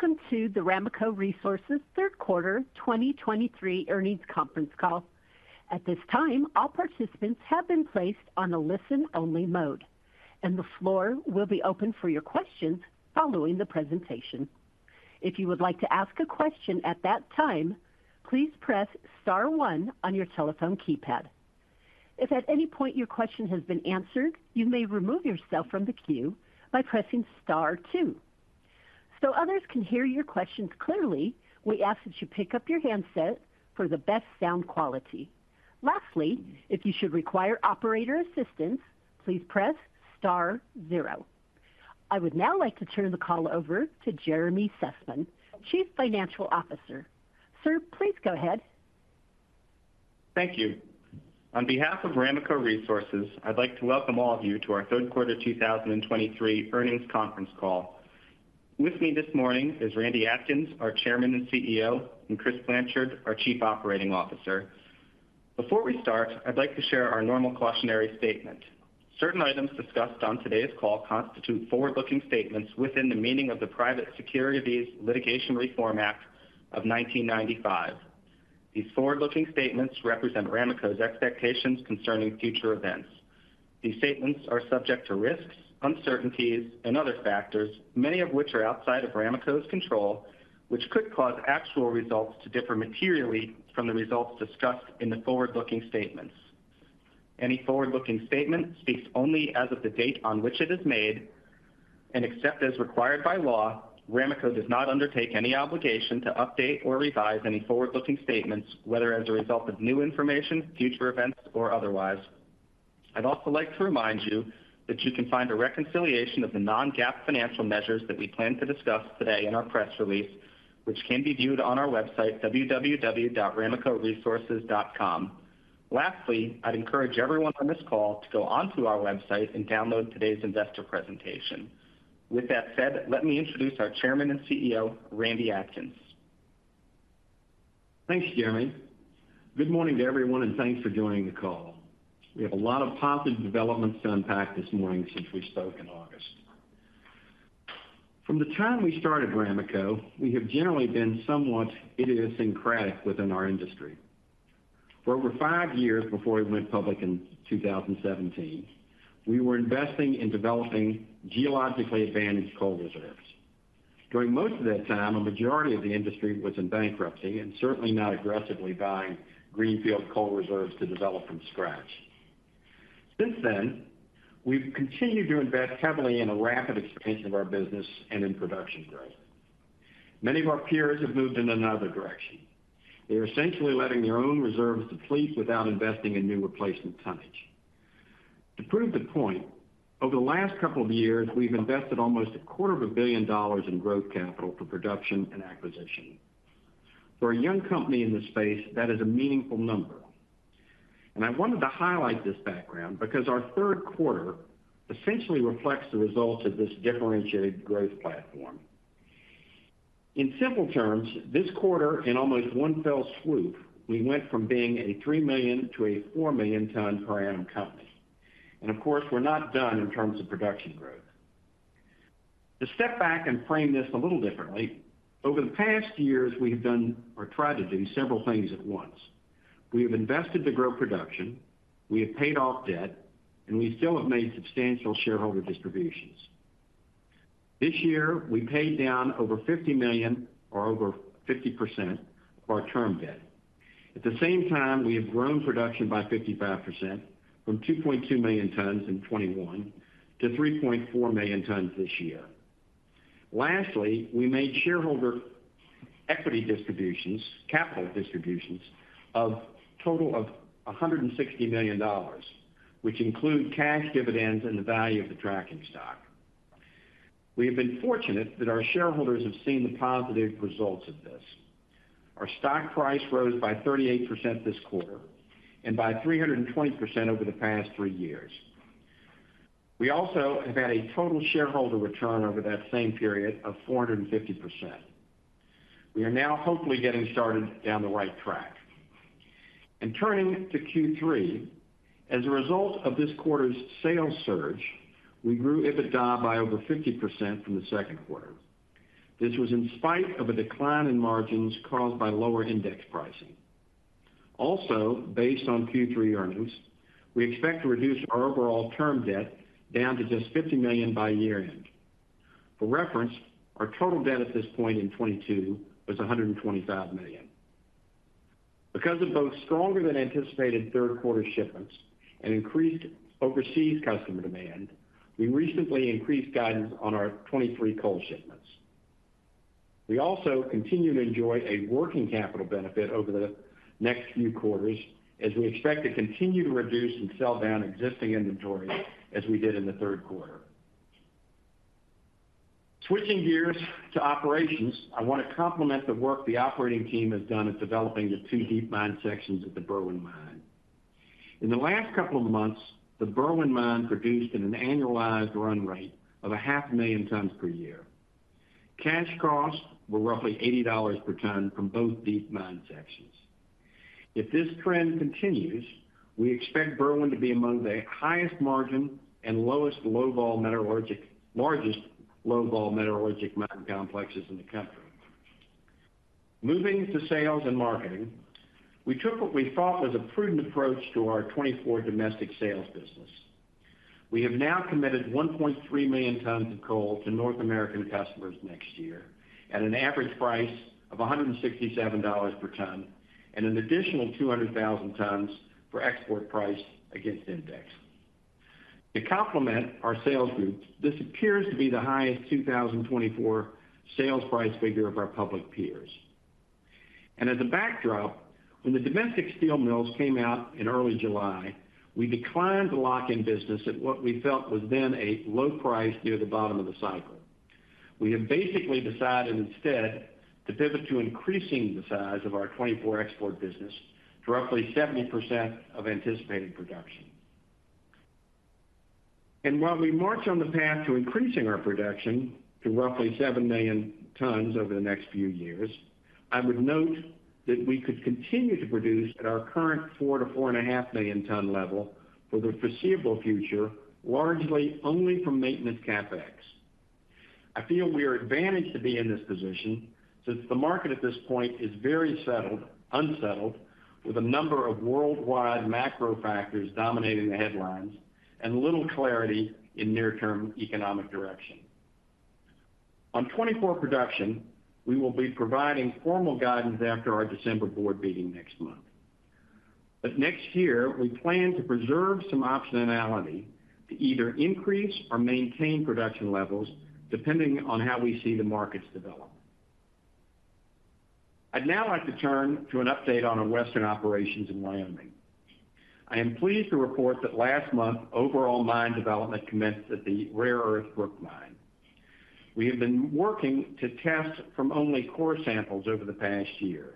Welcome to the Ramaco Resources third quarter 2023 earnings conference call. At this time, all participants have been placed on a listen-only mode, and the floor will be open for your questions following the presentation. If you would like to ask a question at that time, please press star one on your telephone keypad. If at any point your question has been answered, you may remove yourself from the queue by pressing star two. So others can hear your questions clearly, we ask that you pick up your handset for the best sound quality. Lastly, if you should require operator assistance, please press star zero. I would now like to turn the call over to Jeremy Sussman, Chief Financial Officer. Sir, please go ahead. Thank you. On behalf of Ramaco Resources, I'd like to welcome all of you to our third quarter 2023 earnings conference call. With me this morning is Randy Atkins, our Chairman and CEO, and Chris Blanchard, our Chief Operating Officer. Before we start, I'd like to share our normal cautionary statement. Certain items discussed on today's call constitute forward-looking statements within the meaning of the Private Securities Litigation Reform Act of 1995. These forward-looking statements represent Ramaco's expectations concerning future events. These statements are subject to risks, uncertainties, and other factors, many of which are outside of Ramaco's control, which could cause actual results to differ materially from the results discussed in the forward-looking statements. Any forward-looking statement speaks only as of the date on which it is made, and except as required by law, Ramaco does not undertake any obligation to update or revise any forward-looking statements, whether as a result of new information, future events, or otherwise. I'd also like to remind you that you can find a reconciliation of the non-GAAP financial measures that we plan to discuss today in our press release, which can be viewed on our website, www.ramacoresources.com. Lastly, I'd encourage everyone on this call to go onto our website and download today's investor presentation. With that said, let me introduce our Chairman and CEO, Randy Atkins. Thanks, Jeremy. Good morning to everyone, and thanks for joining the call. We have a lot of positive developments to unpack this morning since we spoke in August. From the time we started Ramaco, we have generally been somewhat idiosyncratic within our industry. For over five years before we went public in 2017, we were investing in developing geologically advantaged coal reserves. During most of that time, a majority of the industry was in bankruptcy and certainly not aggressively buying greenfield coal reserves to develop from scratch. Since then, we've continued to invest heavily in a rapid expansion of our business and in production growth. Many of our peers have moved in another direction. They are essentially letting their own reserves deplete without investing in new replacement tonnage. To prove the point, over the last couple of years, we've invested almost $250 million in growth capital for production and acquisition. For a young company in this space, that is a meaningful number. I wanted to highlight this background because our third quarter essentially reflects the results of this differentiated growth platform. In simple terms, this quarter, in almost one fell swoop, we went from being a 3 million- to 4 million-ton per annum company. And of course, we're not done in terms of production growth. To step back and frame this a little differently, over the past years, we have done or tried to do several things at once. We have invested to grow production, we have paid off debt, and we still have made substantial shareholder distributions. This year, we paid down over $50 million or over 50% of our term debt. At the same time, we have grown production by 55%, from 2.2 million tons in 2021 to 3.4 million tons this year. Lastly, we made shareholder equity distributions, capital distributions of total of $160 million, which include cash dividends and the value of the tracking stock. We have been fortunate that our shareholders have seen the positive results of this. Our stock price rose by 38% this quarter and by 320% over the past 3 years. We also have had a total shareholder return over that same period of 450%. We are now hopefully getting started down the right track. Turning to Q3, as a result of this quarter's sales surge, we grew EBITDA by over 50% from the second quarter. This was in spite of a decline in margins caused by lower index pricing. Also, based on Q3 earnings, we expect to reduce our overall term debt down to just $50 million by year-end. For reference, our total debt at this point in 2022 was $125 million. Because of both stronger than anticipated third quarter shipments and increased overseas customer demand, we recently increased guidance on our 2023 coal shipments. We also continue to enjoy a working capital benefit over the next few quarters as we expect to continue to reduce and sell down existing inventory as we did in the third quarter. Switching gears to operations, I want to compliment the work the operating team has done at developing the two deep mine sections at the Berwind Mine. In the last couple of months, the Berwind Mine produced at an annualized run rate of 500,000 tons per year. Cash costs were roughly $80 per ton from both deep mine sections. If this trend continues, we expect Berwind to be among the highest margin and lowest low-vol metallurgical, largest low-vol metallurgical mine complexes in the country. Moving to sales and marketing, we took what we thought was a prudent approach to our 2024 domestic sales business. We have now committed 1.3 million tons of coal to North American customers next year, at an average price of $167 per ton, and an additional 200,000 tons for export price against index. To complement our sales groups, this appears to be the highest 2024 sales price figure of our public peers. As a backdrop, when the domestic steel mills came out in early July, we declined to lock in business at what we felt was then a low price near the bottom of the cycle. We have basically decided instead to pivot to increasing the size of our 2024 export business to roughly 70% of anticipated production. While we march on the path to increasing our production to roughly 7 million tons over the next few years, I would note that we could continue to produce at our current 4-4.5 million-ton level for the foreseeable future, largely only from maintenance CapEx. I feel we are advantaged to be in this position since the market at this point is very unsettled, with a number of worldwide macro factors dominating the headlines and little clarity in near-term economic direction. On 2024 production, we will be providing formal guidance after our December board meeting next month. Next year, we plan to preserve some optionality to either increase or maintain production levels, depending on how we see the markets develop. I'd now like to turn to an update on our Western operations in Wyoming. I am pleased to report that last month, overall mine development commenced at the Rare Earth Brook Mine. We have been working to test from only core samples over the past year.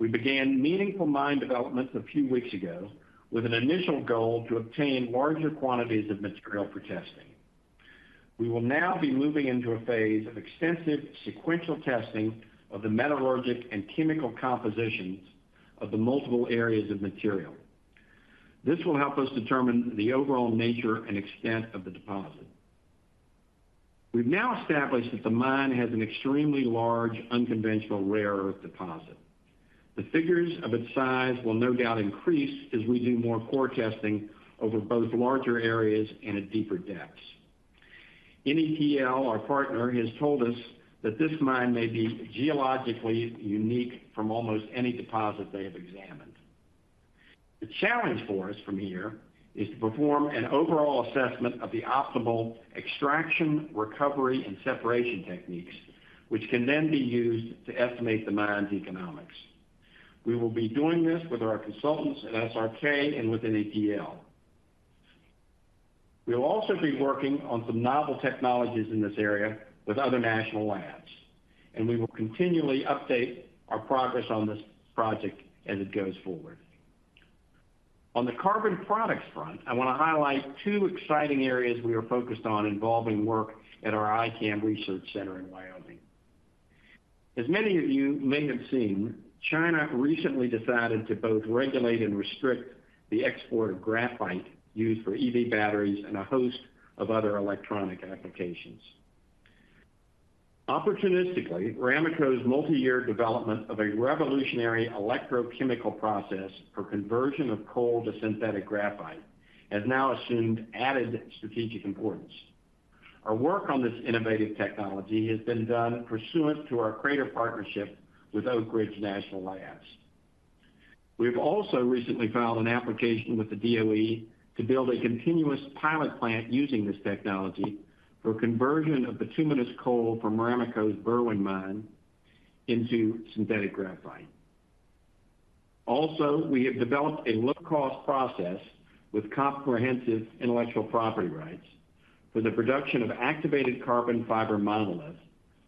We began meaningful mine development a few weeks ago, with an initial goal to obtain larger quantities of material for testing. We will now be moving into a phase of extensive sequential testing of the metallurgical and chemical compositions of the multiple areas of material. This will help us determine the overall nature and extent of the deposit. We've now established that the mine has an extremely large, unconventional, rare earth deposit. The figures of its size will no doubt increase as we do more core testing over both larger areas and at deeper depths. NETL, our partner, has told us that this mine may be geologically unique from almost any deposit they have examined. The challenge for us from here is to perform an overall assessment of the optimal extraction, recovery, and separation techniques, which can then be used to estimate the mine's economics. We will be doing this with our consultants at SRK and with NETL. We will also be working on some novel technologies in this area with other national labs, and we will continually update our progress on this project as it goes forward. On the carbon products front, I want to highlight two exciting areas we are focused on involving work at our iCAM Research Center in Wyoming. As many of you may have seen, China recently decided to both regulate and restrict the export of graphite used for EV batteries and a host of other electronic applications. Opportunistically, Ramaco's multi-year development of a revolutionary electrochemical process for conversion of coal to synthetic graphite, has now assumed added strategic importance. Our work on this innovative technology has been done pursuant to our CRADA partnership with Oak Ridge National Laboratory. We've also recently filed an application with the DOE to build a continuous pilot plant using this technology for conversion of bituminous coal from Ramaco's Berwind Mine into synthetic graphite. Also, we have developed a low-cost process with comprehensive intellectual property rights for the production of activated carbon fiber monolith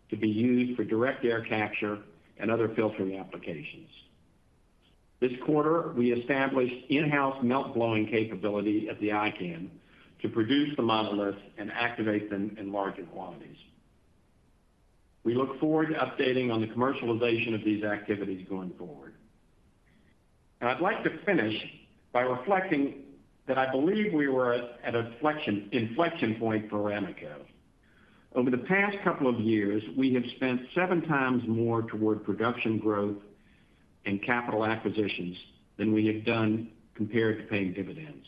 to be used for direct air capture and other filtering applications. This quarter, we established in-house melt blowing capability at the iCAM to produce the monolith and activate them in larger quantities. We look forward to updating on the commercialization of these activities going forward. Now, I'd like to finish by reflecting that I believe we were at an inflection point for Ramaco. Over the past couple of years, we have spent seven times more toward production growth and capital acquisitions than we have done compared to paying dividends.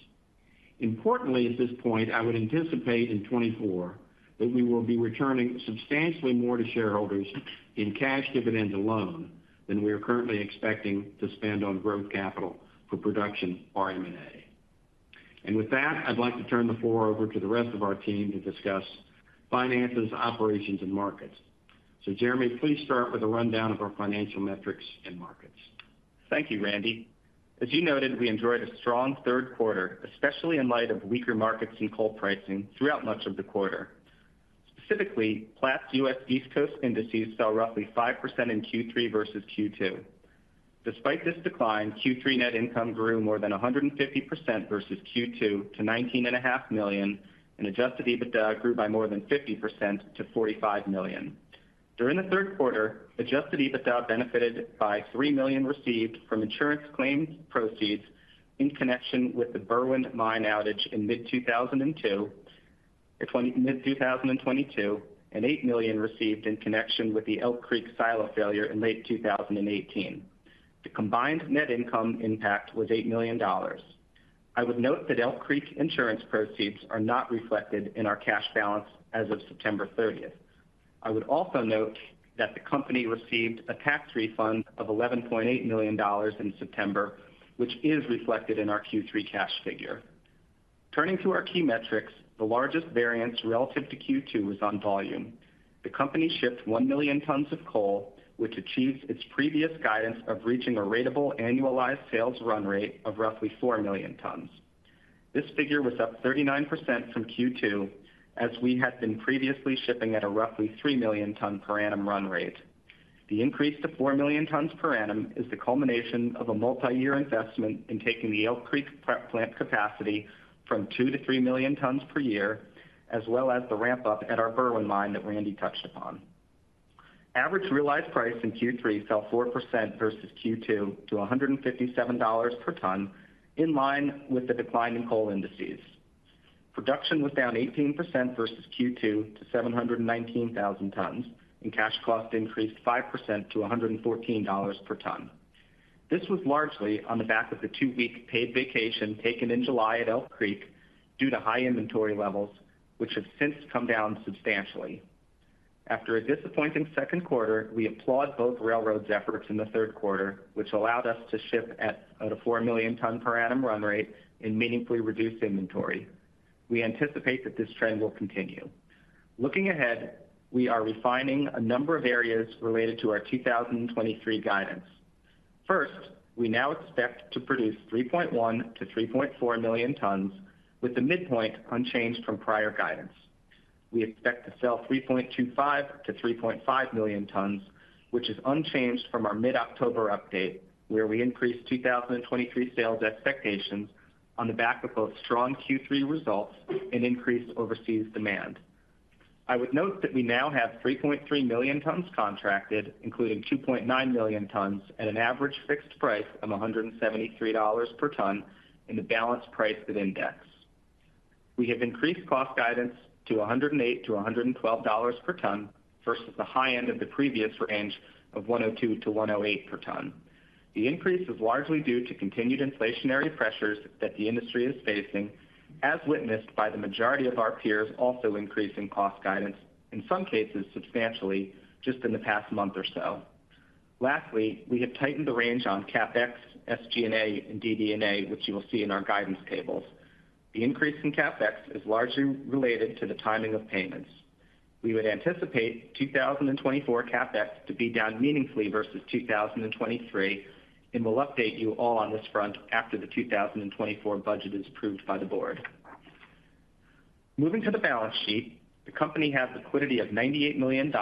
Importantly, at this point, I would anticipate in 2024, that we will be returning substantially more to shareholders in cash dividends alone than we are currently expecting to spend on growth capital for production or M&A. And with that, I'd like to turn the floor over to the rest of our team to discuss finances, operations, and markets. So Jeremy, please start with a rundown of our financial metrics and markets. Thank you, Randy. As you noted, we enjoyed a strong third quarter, especially in light of weaker markets and coal pricing throughout much of the quarter. Specifically, Platts US East Coast indices fell roughly 5% in Q3 versus Q2. Despite this decline, Q3 net income grew more than 150% versus Q2 to $19.5 million, and Adjusted EBITDA grew by more than 50% to $45 million. During the third quarter, Adjusted EBITDA benefited by $3 million received from insurance claims proceeds in connection with the Berwind Mine outage in mid-2002, or mid-2022, and $8 million received in connection with the Elk Creek silo failure in late 2018. The combined net income impact was $8 million. I would note that Elk Creek insurance proceeds are not reflected in our cash balance as of September thirtieth. I would also note that the company received a tax refund of $11.8 million in September, which is reflected in our Q3 cash figure. Turning to our key metrics, the largest variance relative to Q2 was on volume. The company shipped 1 million tons of coal, which achieved its previous guidance of reaching a ratable annualized sales run rate of roughly 4 million tons. This figure was up 39% from Q2 as we had been previously shipping at a roughly 3 million ton per annum run rate. The increase to 4 million tons per annum is the culmination of a multi-year investment in taking the Elk Creek prep plant capacity from 2-3 million tons per year, as well as the ramp-up at our Berwind mine that Randy touched upon. Average realized price in Q3 fell 4% versus Q2 to $157 per ton, in line with the decline in coal indices. Production was down 18% versus Q2 to 719,000 tons, and cash cost increased 5% to $114 per ton. This was largely on the back of the 2-week paid vacation taken in July at Elk Creek due to high inventory levels, which have since come down substantially. After a disappointing second quarter, we applaud both railroads' efforts in the third quarter, which allowed us to ship at a 4 million ton per annum run rate and meaningfully reduce inventory. We anticipate that this trend will continue. Looking ahead, we are refining a number of areas related to our 2023 guidance. First, we now expect to produce 3.1-3.4 million tons, with the midpoint unchanged from prior guidance. We expect to sell 3.25-3.5 million tons, which is unchanged from our mid-October update, where we increased 2023 sales expectations on the back of both strong Q3 results and increased overseas demand. I would note that we now have 3.3 million tons contracted, including 2.9 million tons, at an average fixed price of $173 per ton, and the balance priced at index. We have increased cost guidance to $108-$112 per ton versus the high end of the previous range of $102-$108 per ton. The increase is largely due to continued inflationary pressures that the industry is facing, as witnessed by the majority of our peers, also increasing cost guidance, in some cases substantially, just in the past month or so. Lastly, we have tightened the range on CapEx, SG&A, and DD&A, which you will see in our guidance tables. The increase in CapEx is largely related to the timing of payments. We would anticipate 2024 CapEx to be down meaningfully versus 2023, and we'll update you all on this front after the 2024 budget is approved by the board. Moving to the balance sheet, the company has liquidity of $98 million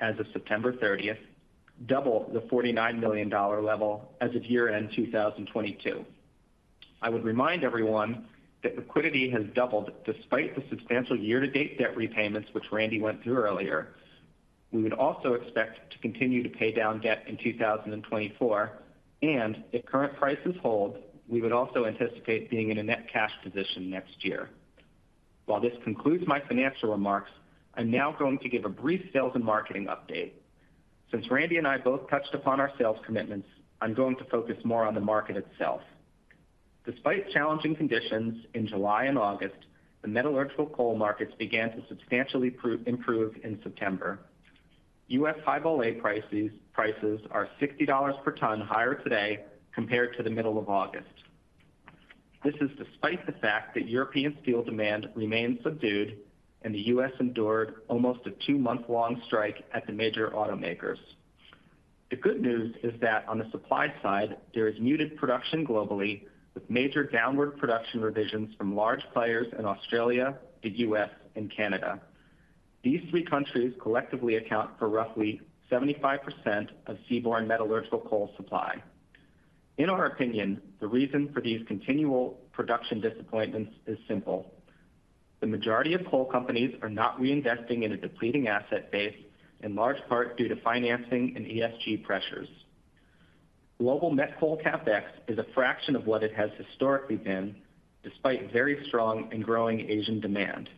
as of September 30, double the $49 million level as of year-end 2022. I would remind everyone that liquidity has doubled despite the substantial year-to-date debt repayments, which Randy went through earlier. We would also expect to continue to pay down debt in 2024, and if current prices hold, we would also anticipate being in a net cash position next year. While this concludes my financial remarks, I'm now going to give a brief sales and marketing update. Since Randy and I both touched upon our sales commitments, I'm going to focus more on the market itself. Despite challenging conditions in July and August, the metallurgical coal markets began to substantially improve in September. U.S. high-vol A prices, prices are $60 per ton higher today compared to the middle of August. This is despite the fact that European steel demand remains subdued and the U.S. endured almost a two-month-long strike at the major automakers. The good news is that on the supply side, there is muted production globally, with major downward production revisions from large players in Australia, the U.S., and Canada. These three countries collectively account for roughly 75% of seaborne metallurgical coal supply. In our opinion, the reason for these continual production disappointments is simple: The majority of coal companies are not reinvesting in a depleting asset base, in large part due to financing and ESG pressures. Global met coal CapEx is a fraction of what it has historically been, despite very strong and growing Asian demand.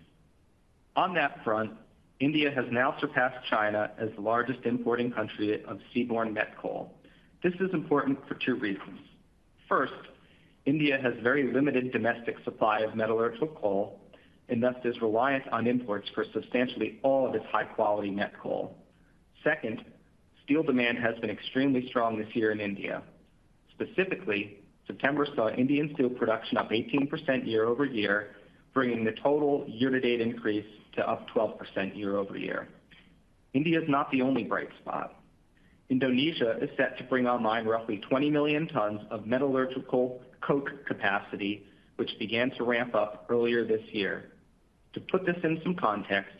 On that front, India has now surpassed China as the largest importing country of seaborne met coal. This is important for two reasons. First, India has very limited domestic supply of metallurgical coal, and thus is reliant on imports for substantially all of its high-quality met coal. Second, steel demand has been extremely strong this year in India. Specifically, September saw Indian steel production up 18% year-over-year, bringing the total year-to-date increase to up 12% year-over-year. India is not the only bright spot. Indonesia is set to bring online roughly 20 million tons of metallurgical coke capacity, which began to ramp up earlier this year. To put this in some context,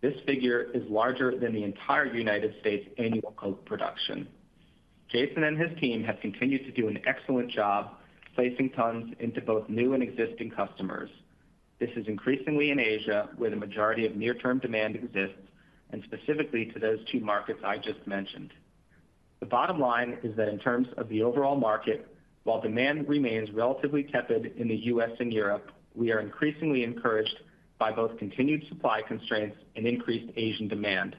this figure is larger than the entire United States annual coke production. Jason and his team have continued to do an excellent job placing tons into both new and existing customers. This is increasingly in Asia, where the majority of near-term demand exists, and specifically to those two markets I just mentioned. The bottom line is that in terms of the overall market, while demand remains relatively tepid in the U.S. and Europe, we are increasingly encouraged by both continued supply constraints and increased Asian demand.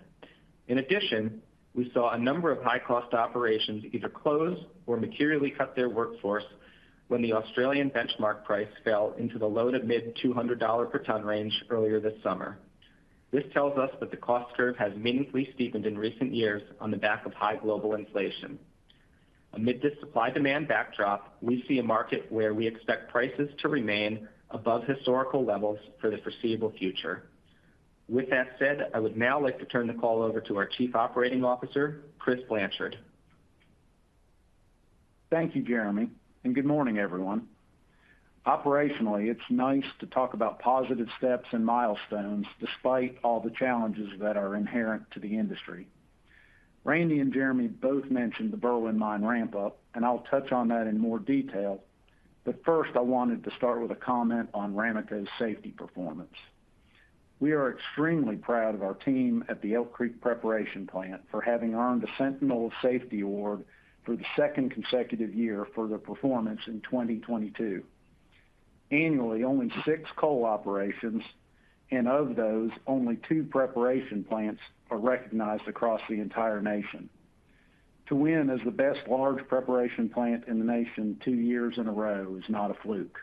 In addition, we saw a number of high-cost operations either close or materially cut their workforce when the Australian benchmark price fell into the low- to mid-$200 per ton range earlier this summer. This tells us that the cost curve has meaningfully steepened in recent years on the back of high global inflation. Amid this supply-demand backdrop, we see a market where we expect prices to remain above historical levels for the foreseeable future. With that said, I would now like to turn the call over to our Chief Operating Officer, Chris Blanchard. Thank you, Jeremy, and good morning, everyone. Operationally, it's nice to talk about positive steps and milestones despite all the challenges that are inherent to the industry. Randy and Jeremy both mentioned the Berwind mine ramp-up, and I'll touch on that in more detail. But first, I wanted to start with a comment on Ramaco's safety performance. We are extremely proud of our team at the Elk Creek Preparation Plant for having earned the Sentinel of Safety Award for the second consecutive year for their performance in 2022. Annually, only 6 coal operations, and of those, only 2 preparation plants are recognized across the entire nation. To win as the best large preparation plant in the nation 2 years in a row is not a fluke.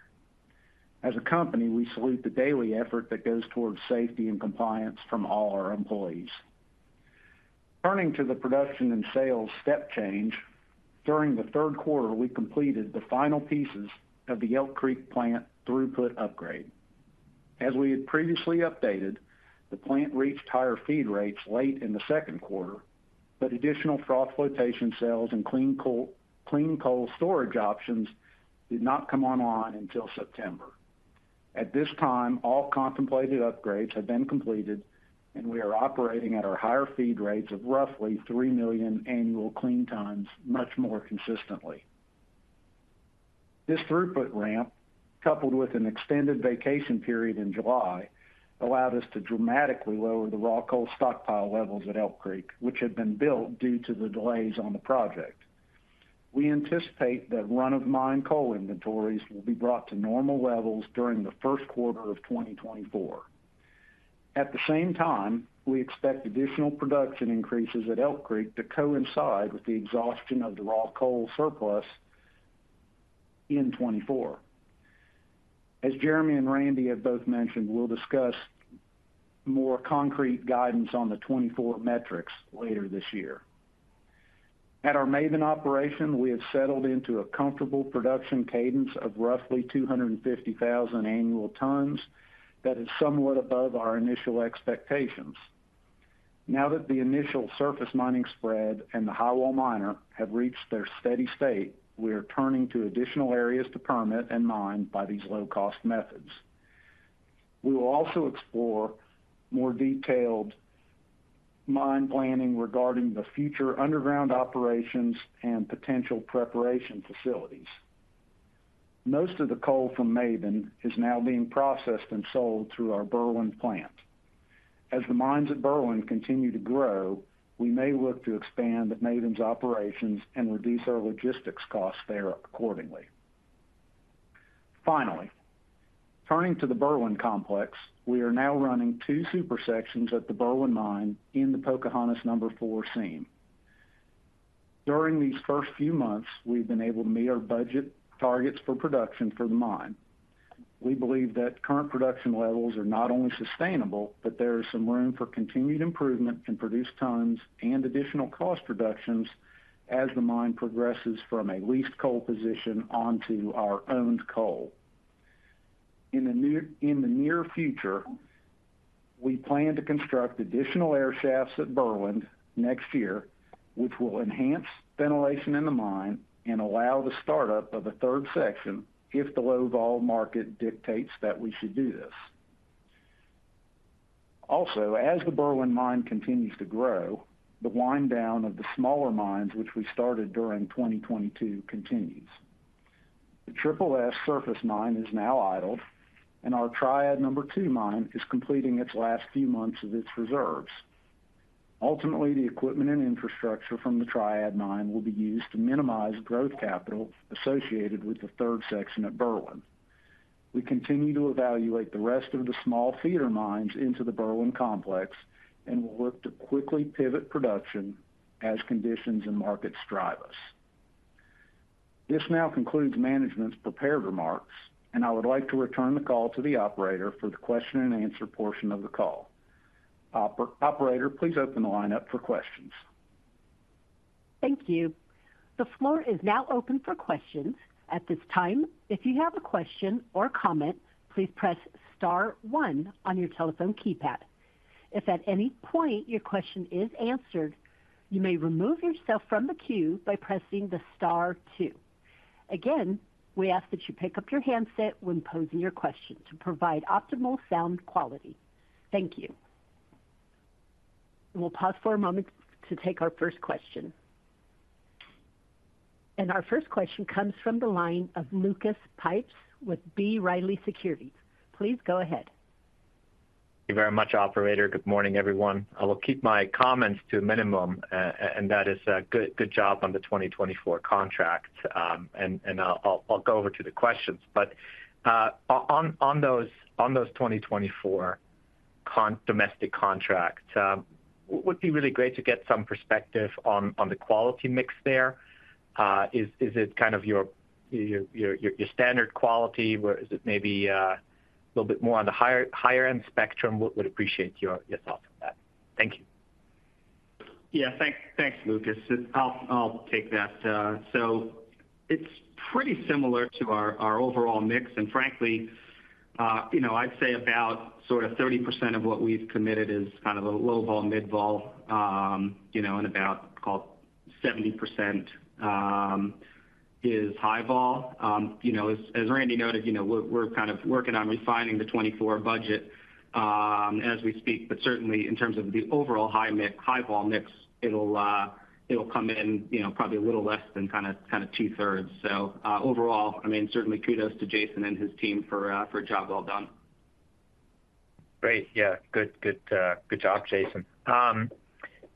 As a company, we salute the daily effort that goes towards safety and compliance from all our employees. Turning to the production and sales step change, during the third quarter, we completed the final pieces of the Elk Creek plant throughput upgrade. As we had previously updated, the plant reached higher feed rates late in the second quarter, but additional froth flotation cells and clean coal, clean coal storage options did not come online until September. At this time, all contemplated upgrades have been completed, and we are operating at our higher feed rates of roughly 3 million annual clean tons, much more consistently. This throughput ramp, coupled with an extended vacation period in July, allowed us to dramatically lower the raw coal stockpile levels at Elk Creek, which had been built due to the delays on the project. We anticipate that run-of-mine coal inventories will be brought to normal levels during the first quarter of 2024. At the same time, we expect additional production increases at Elk Creek to coincide with the exhaustion of the raw coal surplus in 2024. As Jeremy and Randy have both mentioned, we'll discuss more concrete guidance on the 2024 metrics later this year. At our Maben operation, we have settled into a comfortable production cadence of roughly 250,000 annual tons that is somewhat above our initial expectations. Now that the initial surface mining spread and the high-wall miner have reached their steady state, we are turning to additional areas to permit and mine by these low-cost methods. We will also explore more detailed mine planning regarding the future underground operations and potential preparation facilities. Most of the coal from Maben is now being processed and sold through our Berwind plant. As the mines at Berwind continue to grow, we may look to expand Maben's operations and reduce our logistics costs there accordingly. Finally, turning to the Berwind complex, we are now running two super sections at the Berwind mine in the Pocahontas Number 4 Seam. During these first few months, we've been able to meet our budget targets for production for the mine. We believe that current production levels are not only sustainable, but there is some room for continued improvement in produced tons and additional cost reductions as the mine progresses from a leased coal position onto our owned coal. In the near future, we plan to construct additional air shafts at Berwind next year, which will enhance ventilation in the mine and allow the start-up of a third section if the low-vol market dictates that we should do this. Also, as the Berwind mine continues to grow, the wind down of the smaller mines, which we started during 2022, continues. The Triple S surface mine is now idled, and our Triad number 2 mine is completing its last few months of its reserves. Ultimately, the equipment and infrastructure from the Triad mine will be used to minimize growth capital associated with the third section at Berwind. We continue to evaluate the rest of the small feeder mines into the Berwind complex and will look to quickly pivot production as conditions and markets drive us. This now concludes management's prepared remarks, and I would like to return the call to the operator for the question and answer portion of the call. Operator, please open the line up for questions. Thank you. The floor is now open for questions. At this time, if you have a question or comment, please press star one on your telephone keypad. If at any point your question is answered, you may remove yourself from the queue by pressing the star two. Again, we ask that you pick up your handset when posing your question to provide optimal sound quality. Thank you.... We'll pause for a moment to take our first question. Our first question comes from the line of Lucas Pipes with B. Riley Securities. Please go ahead. Thank you very much, operator. Good morning, everyone. I will keep my comments to a minimum, and that is good job on the 2024 contract. And I'll go over to the questions. But on those 2024 domestic contracts, would be really great to get some perspective on the quality mix there. Is it kind of your standard quality, or is it maybe a little bit more on the higher-end spectrum? Would appreciate your thoughts on that. Thank you. Yeah, thanks, Lucas. I'll take that. So it's pretty similar to our overall mix. Frankly, you know, I'd say about sort of 30% of what we've committed is kind of a low-vol, mid-vol, you know, and about, call it 70%, is high-vol. You know, as Randy noted, you know, we're kind of working on refining the 2024 budget, as we speak, but certainly in terms of the overall high-vol mix, high-vol mix, it'll come in, you know, probably a little less than kind of two-thirds. So, overall, I mean, certainly kudos to Jason and his team for a job well done. Great. Yeah. Good, good, good job, Jason.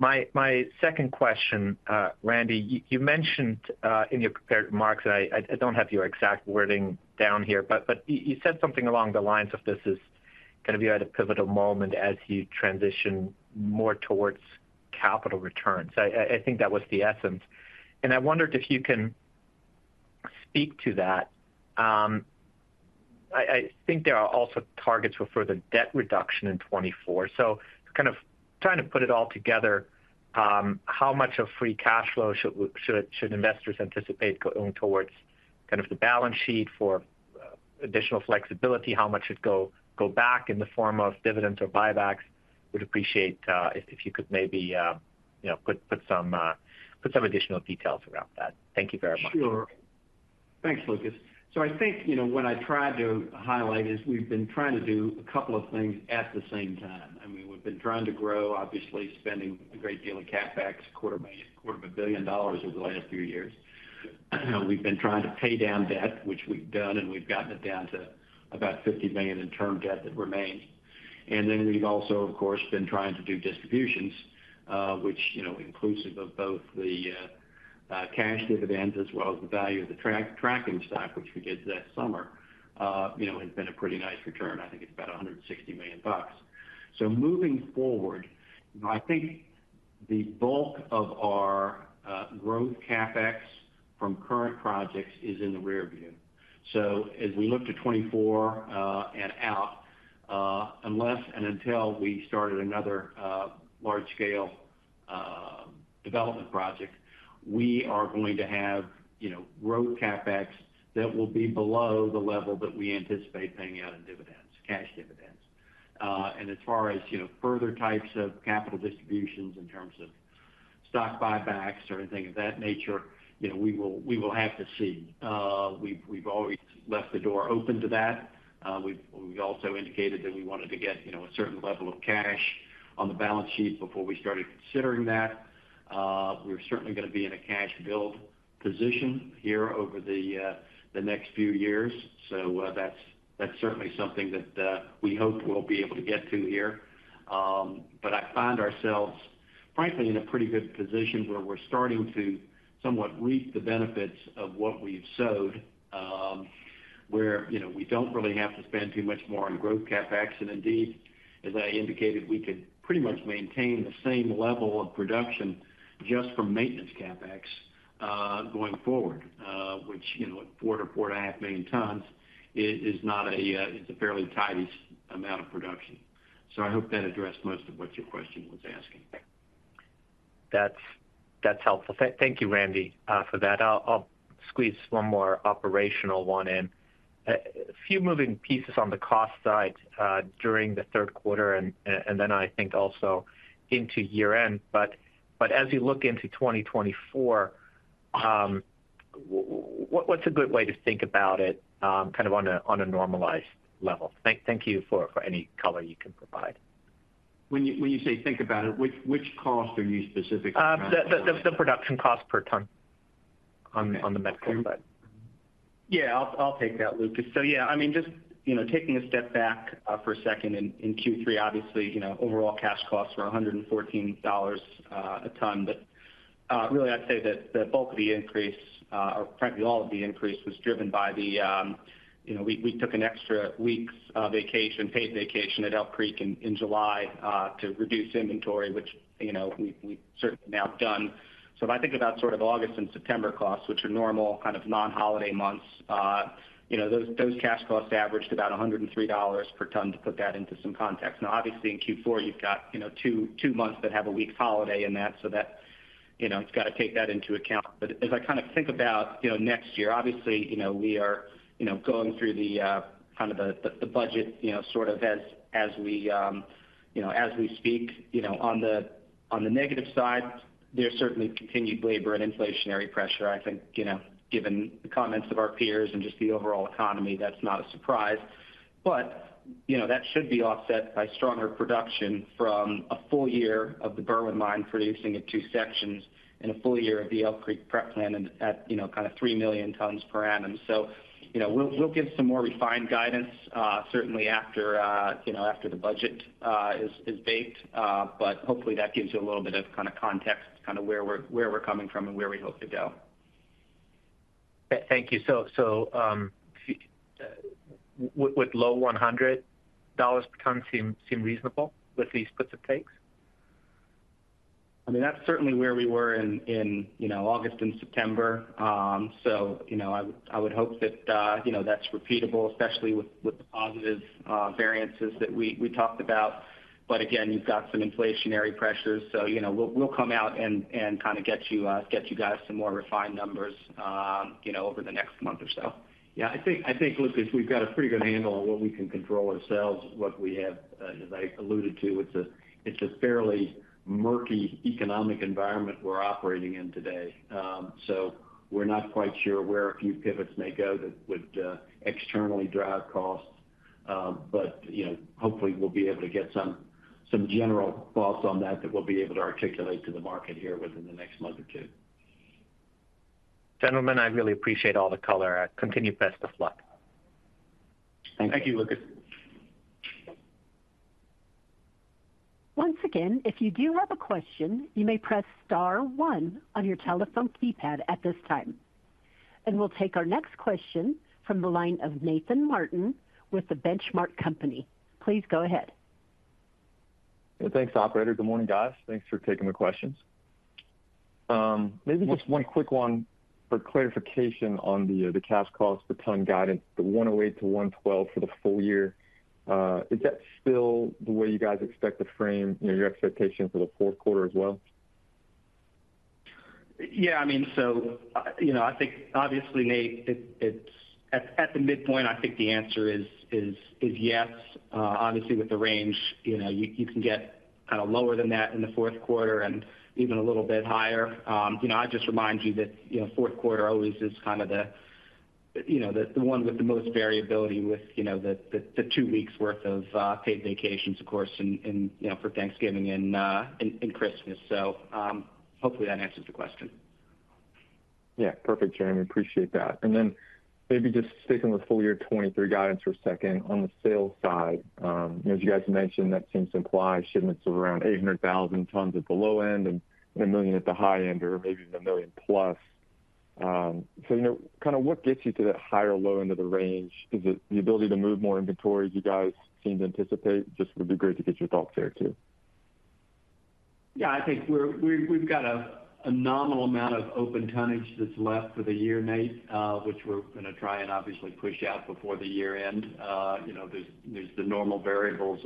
My second question, Randy, you mentioned in your prepared remarks. I don't have your exact wording down here, but you said something along the lines of this is kind of you're at a pivotal moment as you transition more towards capital returns. I think that was the essence. And I wondered if you can speak to that. I think there are also targets for further debt reduction in 2024. So kind of trying to put it all together, how much of free cash flow should investors anticipate going towards kind of the balance sheet for additional flexibility? How much should go back in the form of dividends or buybacks? Would appreciate if you could maybe, you know, put some additional details around that. Thank you very much. Sure. Thanks, Lucas. So I think, you know, what I tried to highlight is we've been trying to do a couple of things at the same time. I mean, we've been trying to grow, obviously, spending a great deal of CapEx, $250 million over the last few years. We've been trying to pay down debt, which we've done, and we've gotten it down to about $50 million in term debt that remains. And then we've also, of course, been trying to do distributions, which, you know, inclusive of both the cash dividends as well as the value of the tracking stock, which we did that summer, you know, has been a pretty nice return. I think it's about $160 million bucks. So moving forward, I think the bulk of our growth CapEx from current projects is in the rearview. So as we look to 2024 and out, unless and until we started another large-scale development project, we are going to have, you know, growth CapEx that will be below the level that we anticipate paying out in dividends, cash dividends. And as far as, you know, further types of capital distributions in terms of stock buybacks or anything of that nature, you know, we will, we will have to see. We've, we've always left the door open to that. We've, we've also indicated that we wanted to get, you know, a certain level of cash on the balance sheet before we started considering that. We're certainly going to be in a cash build position here over the next few years. So, that's, that's certainly something that we hope we'll be able to get to here. But I find ourselves, frankly, in a pretty good position where we're starting to somewhat reap the benefits of what we've sowed, where, you know, we don't really have to spend too much more on growth CapEx. And indeed, as I indicated, we could pretty much maintain the same level of production just from maintenance CapEx, going forward, which, you know, at 4-4.5 million tons, is, is not a, it's a fairly tidy amount of production. So I hope that addressed most of what your question was asking. That's helpful. Thank you, Randy, for that. I'll squeeze one more operational one in. A few moving pieces on the cost side during the third quarter, and then I think also into year-end. But as you look into 2024, what's a good way to think about it, kind of on a normalized level? Thank you for any color you can provide. When you say think about it, which cost are you specifically? The production cost per ton on the metallurgical side. Yeah, I'll take that, Lucas. So yeah, I mean, just you know, taking a step back for a second in Q3, obviously, you know, overall cash costs were $114 a ton. But really, I'd say that the bulk of the increase or frankly, all of the increase was driven by the you know, we took an extra week's paid vacation at Elk Creek in July to reduce inventory, which you know, we've certainly now done. So if I think about sort of August and September costs, which are normal kind of non-holiday months you know, those cash costs averaged about $103 per ton to put that into some context. Now, obviously, in Q4, you've got, you know, two two months that have a week holiday in that, so that, you know, it's got to take that into account. But as I kind of think about, you know, next year, obviously, you know, we are, you know, going through the kind of the budget, you know, sort of as we speak, you know. On the negative side, there's certainly continued labor and inflationary pressure. I think, you know, given the comments of our peers and just the overall economy, that's not a surprise. But, you know, that should be offset by stronger production from a full year of the Berwind Mine producing in two sections and a full year of the Elk Creek prep plant and at, you know, kind of 3 million tons per annum. You know, we'll give some more refined guidance certainly after you know, after the budget is baked, but hopefully that gives you a little bit of kind of context, kind of where we're coming from and where we hope to go. Thank you. So, with low $100 per ton seem reasonable with these puts and takes? I mean, that's certainly where we were in you know, August and September. So, you know, I would hope that, you know, that's repeatable, especially with the positive variances that we talked about. But again, you've got some inflationary pressures. So, you know, we'll come out and kind of get you guys some more refined numbers, you know, over the next month or so. Yeah, I think, I think, Lucas, we've got a pretty good handle on what we can control ourselves, what we have, as I alluded to. It's a, it's a fairly murky economic environment we're operating in today. So we're not quite sure where a few pivots may go that would externally drive costs. But, you know, hopefully, we'll be able to get some, some general thoughts on that, that we'll be able to articulate to the market here within the next month or two. Gentlemen, I really appreciate all the color. Continued best of luck. Thank you. Thank you, Lucas. Once again, if you do have a question, you may press star one on your telephone keypad at this time. We'll take our next question from the line of Nathan Martin with The Benchmark Company. Please go ahead. Thanks, operator. Good morning, guys. Thanks for taking the questions. Maybe just one quick one for clarification on the cash cost per ton guidance, the $108-$112 for the full year. Is that still the way you guys expect to frame, you know, your expectations for the fourth quarter as well? Yeah, I mean, so, you know, I think obviously, Nate, it's at the midpoint, I think the answer is yes. Obviously, with the range, you know, you can get kind of lower than that in the fourth quarter and even a little bit higher. You know, I just remind you that, you know, fourth quarter always is kind of the one with the most variability with the two weeks worth of paid vacations, of course, in, you know, for Thanksgiving and Christmas. So, hopefully that answers the question. Yeah. Perfect, Jeremy. Appreciate that. And then maybe just sticking with full year 2023 guidance for a second on the sales side. As you guys mentioned, that seems to imply shipments of around 800,000 tons at the low end and 1 million at the high end, or maybe even 1 million+. So, you know, kind of what gets you to that higher low end of the range? Is it the ability to move more inventory, as you guys seem to anticipate? Just would be great to get your thoughts there, too. Yeah, I think we're, we've got a nominal amount of open tonnage that's left for the year, Nate, which we're going to try and obviously push out before the year-end. You know, there's the normal variables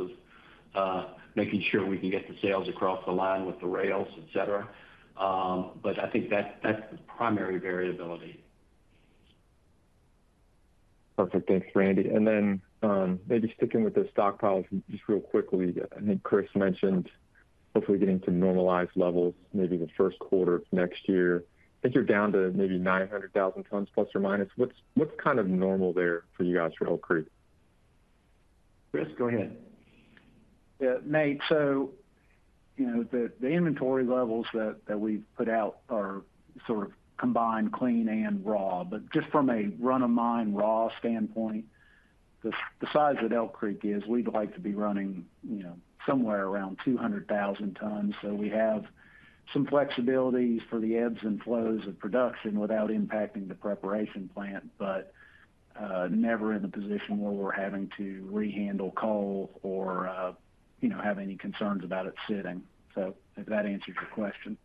of making sure we can get the sales across the line with the rails, et cetera. But I think that's the primary variability. Perfect. Thanks, Randy. Then, maybe sticking with the stockpiles just real quickly. I think Chris mentioned hopefully getting to normalized levels, maybe the first quarter of next year. I think you're down to maybe 900,000 tons, plus or minus. What's kind of normal there for you guys for Elk Creek? Chris, go ahead. Yeah, Nate, so, you know, the inventory levels that we've put out are sort of combined, clean and raw. But just from a run-of-mine raw standpoint, the size that Elk Creek is, we'd like to be running, you know, somewhere around 200,000 tons. So we have some flexibilities for the ebbs and flows of production without impacting the preparation plant, but never in a position where we're having to rehandle coal or, you know, have any concerns about it sitting. So if that answers your question.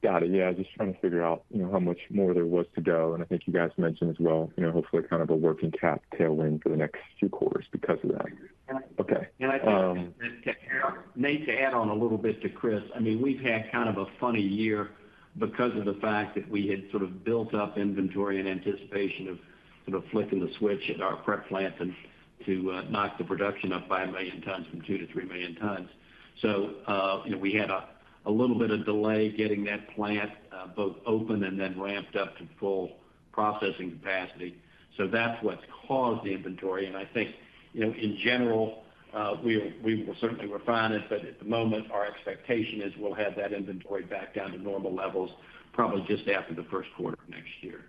Got it. Yeah, just trying to figure out, you know, how much more there was to go. I think you guys mentioned as well, you know, hopefully kind of a working cap tailwind for the next two quarters because of that. Yeah. Okay, um- Nate, to add on a little bit to Chris. I mean, we've had kind of a funny year because of the fact that we had sort of built up inventory in anticipation of, sort of flipping the switch at our prep plant and to, knock the production up by 1 million tons from 2-3 million tons. So, you know, we had a, a little bit of delay getting that plant, both open and then ramped up to full processing capacity. So that's what's caused the inventory. And I think, you know, in general, we, we will certainly refine it, but at the moment, our expectation is we'll have that inventory back down to normal levels, probably just after the first quarter of next year.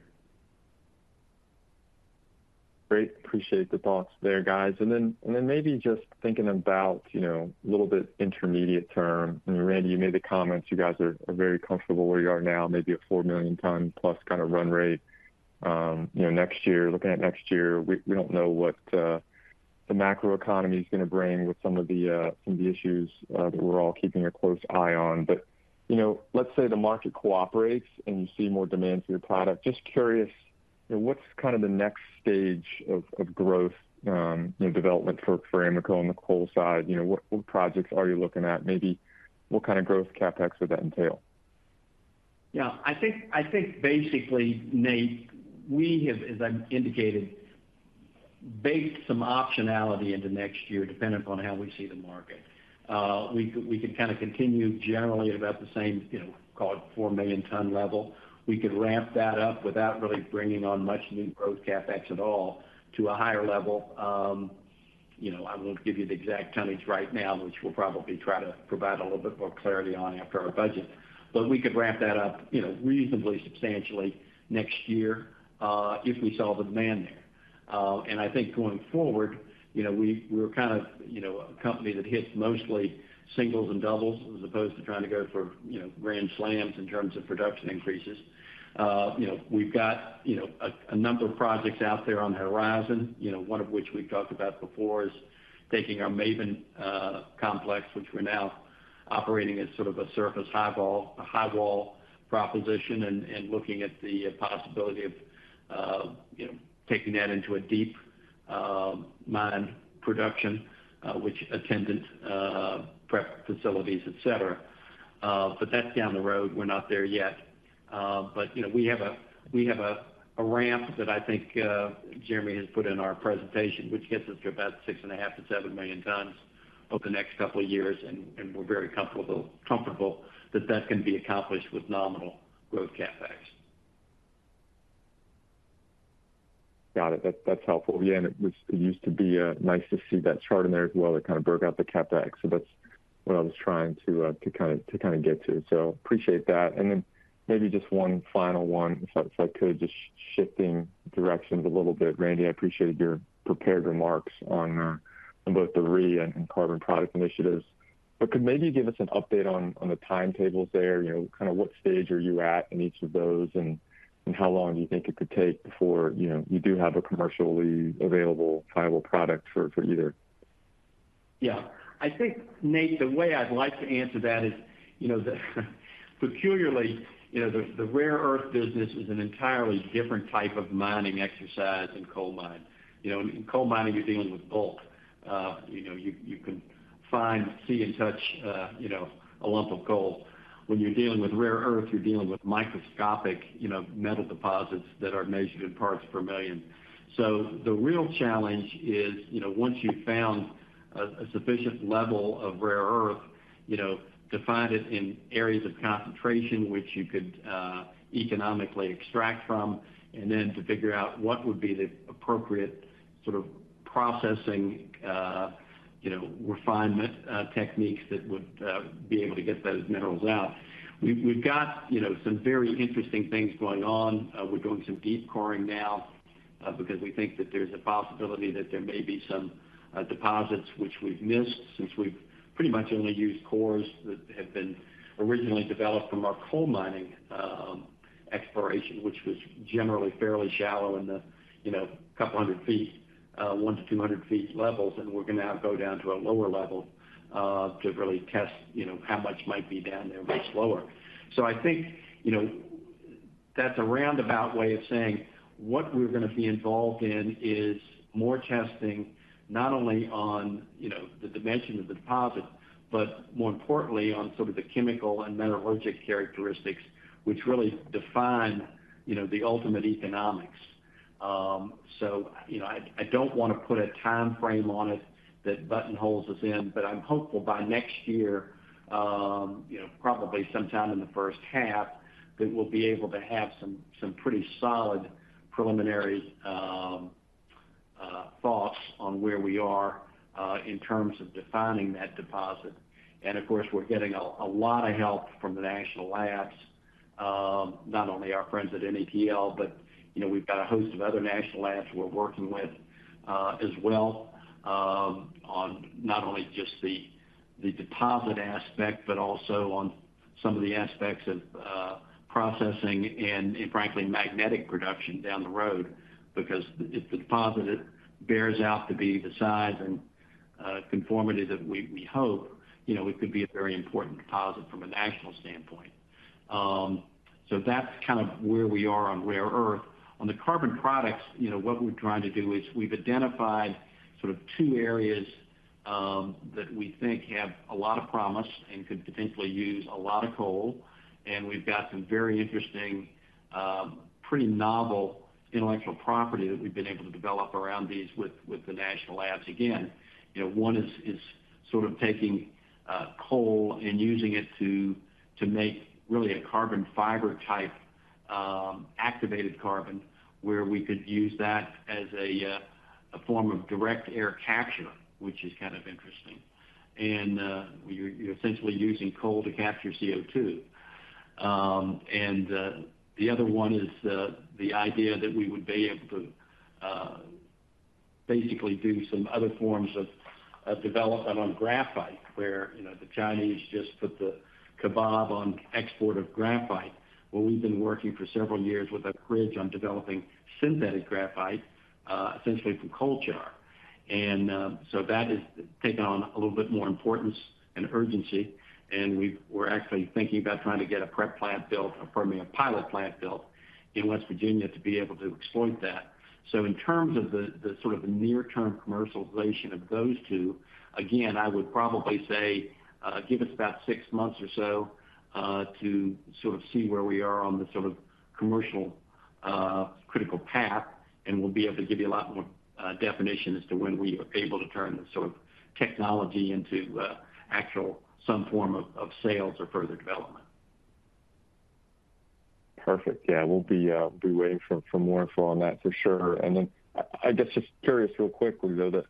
Great. Appreciate the thoughts there, guys. Then maybe just thinking about, you know, a little bit intermediate term. I mean, Randy, you made the comments, you guys are very comfortable where you are now, maybe a four million ton plus kind of run rate. You know, next year, looking at next year, we don't know what the macro economy is going to bring with some of the issues that we're all keeping a close eye on. You know, let's say the market cooperates and you see more demand for your product. Just curious, you know, what's kind of the next stage of growth, you know, development for Ramaco on the coal side? You know, what projects are you looking at? Maybe what kind of growth CapEx would that entail?... Yeah, I think basically, Nate, we have, as I indicated, baked some optionality into next year, dependent upon how we see the market. We could kind of continue generally about the same, you know, call it 4 million ton level. We could ramp that up without really bringing on much new growth CapEx at all, to a higher level. You know, I won't give you the exact tonnage right now, which we'll probably try to provide a little bit more clarity on after our budget. But we could ramp that up, you know, reasonably substantially next year, if we saw the demand there. And I think going forward, you know, we're kind of, you know, a company that hits mostly singles and doubles as opposed to trying to go for, you know, grand slams in terms of production increases. You know, we've got a number of projects out there on the horizon. You know, one of which we've talked about before is taking our Maben complex, which we're now operating as sort of a surface high wall, high wall proposition, and looking at the possibility of taking that into a deep mine production, which attendant prep facilities, et cetera. But that's down the road; we're not there yet. But you know, we have a ramp that I think Jeremy has put in our presentation, which gets us to about 6.5-7 million tons over the next couple of years, and we're very comfortable that that can be accomplished with nominal growth CapEx. Got it. That's helpful. Yeah, and it used to be nice to see that chart in there as well. It kind of broke out the CapEx, so that's what I was trying to kind of get to. So appreciate that. And then maybe just one final one, if I could, just shifting directions a little bit. Randy, I appreciate your prepared remarks on both the REE and carbon product initiatives. But could maybe give us an update on the timetables there, you know, kind of what stage are you at in each of those, and how long do you think it could take before, you know, you do have a commercially available, viable product for either? Yeah. I think, Nate, the way I'd like to answer that is, you know, peculiarly, you know, the rare earth business is an entirely different type of mining exercise than coal mining. You know, in coal mining, you're dealing with bulk. You know, you can find, see, and touch, you know, a lump of coal. When you're dealing with rare earth, you're dealing with microscopic, you know, metal deposits that are measured in parts per million. So the real challenge is, you know, once you've found a sufficient level of rare earth, you know, to find it in areas of concentration which you could economically extract from, and then to figure out what would be the appropriate sort of processing, you know, refinement, techniques that would be able to get those minerals out. We've got, you know, some very interesting things going on. We're doing some deep coring now, because we think that there's a possibility that there may be some deposits which we've missed since we've pretty much only used cores that have been originally developed from our coal mining exploration, which was generally fairly shallow in the, you know, a couple hundred feet, 100-200 feet levels, and we're gonna now go down to a lower level, to really test, you know, how much might be down there much lower. So I think, you know, that's a roundabout way of saying what we're gonna be involved in is more testing, not only on, you know, the dimension of the deposit, but more importantly, on sort of the chemical and metallurgical characteristics, which really define, you know, the ultimate economics. So, you know, I don't want to put a time frame on it that buttonholes us in, but I'm hopeful by next year, you know, probably sometime in the first half, that we'll be able to have some pretty solid preliminary thoughts on where we are in terms of defining that deposit. And of course, we're getting a lot of help from the national labs, not only our friends at NETL, but, you know, we've got a host of other national labs we're working with, as well, on not only just the deposit aspect, but also on some of the aspects of processing and frankly, magnetic production down the road, because if the deposit bears out to be the size and conformity that we hope, you know, it could be a very important deposit from a national standpoint. So that's kind of where we are on rare earth. On the carbon products, you know, what we're trying to do is we've identified sort of two areas that we think have a lot of promise and could potentially use a lot of coal, and we've got some very interesting, pretty novel intellectual property that we've been able to develop around these with the national labs. Again, you know, one is sort of taking coal and using it to make really a carbon fiber-type activated carbon, where we could use that as a form of direct air capture, which is kind of interesting. And you're essentially using coal to capture CO2. And, the other one is the idea that we would be able to basically do some other forms of development on graphite, where, you know, the Chinese just put the kibosh on export of graphite. Well, we've been working for several years with Oak Ridge on developing synthetic graphite, essentially from coal char. So that has taken on a little bit more importance and urgency, and we're actually thinking about trying to get a prep plant built, or pardon me, a pilot plant built in West Virginia to be able to exploit that. So in terms of the sort of near-term commercialization of those two, again, I would probably say, give us about six months or so, to sort of see where we are on the sort of commercial, critical path, and we'll be able to give you a lot more, definition as to when we are able to turn this sort of technology into, actual some form of sales or further development. Perfect. Yeah, we'll be waiting for more info on that for sure. And then I guess, just curious real quickly, though, the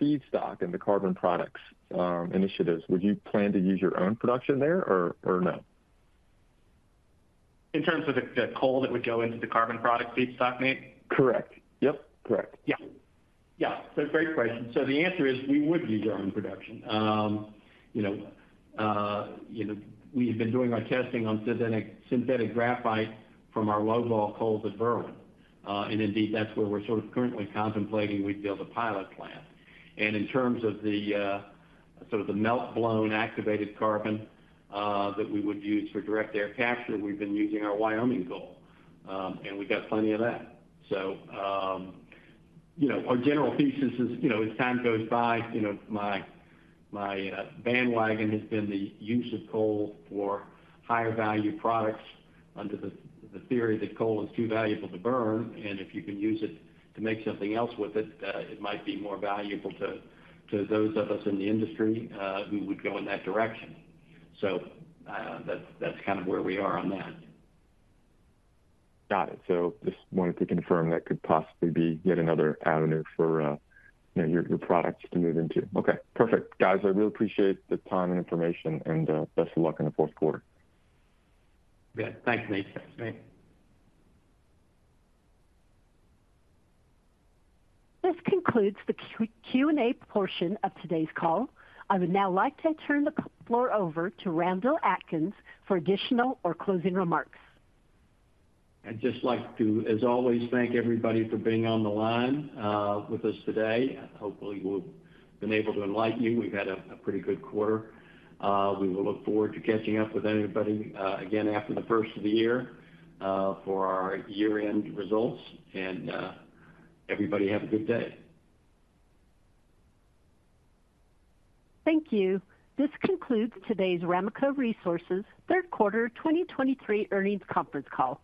feedstock and the carbon products initiatives, would you plan to use your own production there or no? In terms of the coal that would go into the carbon product feedstock, Nate? Correct. Yep, correct. Yeah. Yeah, so great question. So the answer is, we would use our own production. You know, you know, we have been doing our testing on synthetic graphite from our low-vol coals at Berwind. And indeed, that's where we're sort of currently contemplating we'd build a pilot plant. And in terms of the, sort of the melt-blown activated carbon, that we would use for direct air capture, we've been using our Wyoming coal, and we got plenty of that. So, you know, our general thesis is, you know, as time goes by, you know, my bandwagon has been the use of coal for higher value products under the theory that coal is too valuable to burn, and if you can use it to make something else with it, it might be more valuable to those of us in the industry who would go in that direction. So, that's kind of where we are on that. Got it. Just wanted to confirm that could possibly be yet another avenue for, you know, your, your products to move into. Okay, perfect. Guys, I really appreciate the time and information, and best of luck in the fourth quarter. Good. Thanks, Nate. This concludes the Q&A portion of today's call. I would now like to turn the floor over to Randall Atkins for additional or closing remarks. I'd just like to, as always, thank everybody for being on the line with us today. Hopefully, we've been able to enlighten you. We've had a pretty good quarter. We will look forward to catching up with everybody again, after the first of the year, for our year-end results, and everybody have a good day. Thank you. This concludes today's Ramaco Resources third quarter 2023 earnings conference call.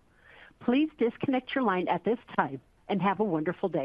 Please disconnect your line at this time, and have a wonderful day.